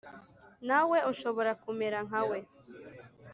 Nawe ushobora kumera nka we